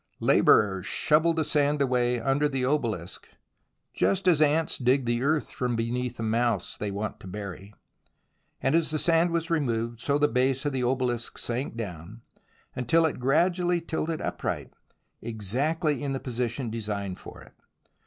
Labourers shovelled the sand away from under the obeHsk, just as ants dig the earth from beneath a mouse they want to bury, and as the sand was removed, so the base of the obelisk sank down, until it gradually tilted upright exactly in the position designed for it.